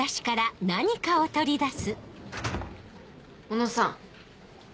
小野さん。